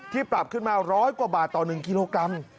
ปรับขึ้นมา๑๐๐กว่าบาทต่อ๑กิโลกรัม